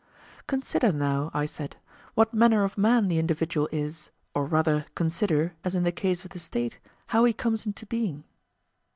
Consider now, I said, what manner of man the individual is, or rather consider, as in the case of the State, how he comes into being.